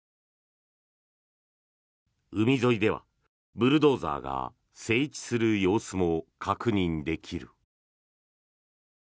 海沿いではブルドーザーが整地する様子も確認できる。